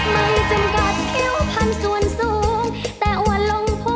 ไม่จำกัดเข้าผ่านส่วนสูงแต่อว่าลงพุงนับเห็น